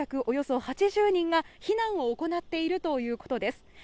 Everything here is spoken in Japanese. およそ８０人が避難を行っているということです。